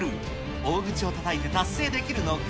大口をたたいて達成できるのか。